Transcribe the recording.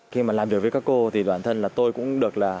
khi mà làm việc với các cô thì đoàn thân là tôi cũng